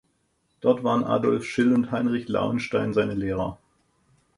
Dort waren Adolf Schill und Heinrich Lauenstein seine Lehrer.